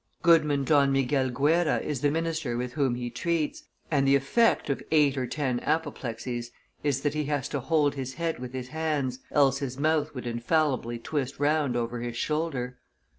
"Goodman Don Miguel Guerra is the minister with whom he treats, and the effect of eight or ten apoplexies is, that he has to hold his head with his hands, else his mouth would infallibly twist round over his shoulder.